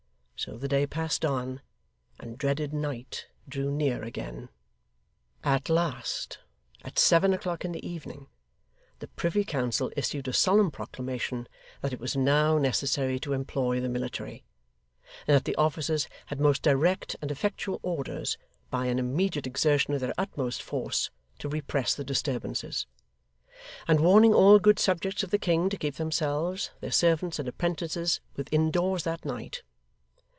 So the day passed on, and dreaded night drew near again. At last, at seven o'clock in the evening, the Privy Council issued a solemn proclamation that it was now necessary to employ the military, and that the officers had most direct and effectual orders, by an immediate exertion of their utmost force, to repress the disturbances; and warning all good subjects of the King to keep themselves, their servants, and apprentices, within doors that night.